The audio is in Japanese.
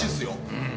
うん。